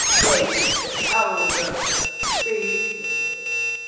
"Great elder, speak!